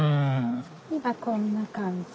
今こんな感じ。